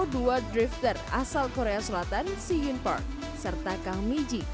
dua drifter asal korea selatan si yoon park serta kang mi ji